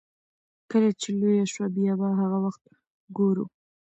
کله چې لويه شوه بيا به هغه وخت ګورو.